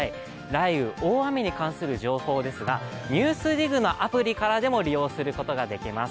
雷雨、大雨に関する情報ですが「ＮＥＷＳＤＩＧ」のアプリからでも利用することができます。